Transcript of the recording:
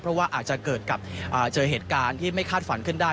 เพราะว่าอาจจะเกิดกับเจอเหตุการณ์ที่ไม่คาดฝันขึ้นได้